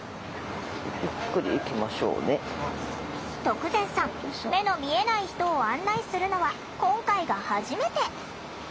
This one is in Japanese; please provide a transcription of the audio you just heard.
徳善さん目の見えない人を案内するのは今回が初めて。